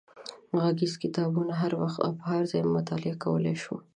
غږیز کتابونه هر وخت او په هر ځای کې مطالعه کولای شو.